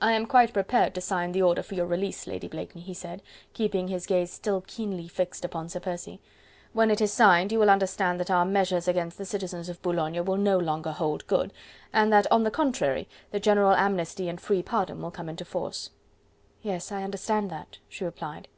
"I am quite prepared to sign the order for your release, Lady Blakeney," he said, keeping his gaze still keenly fixed upon Sir Percy. "When it is signed you will understand that our measures against the citizens of Boulogne will no longer hold good, and that on the contrary, the general amnesty and free pardon will come into force." "Yes, I understand that," she replied.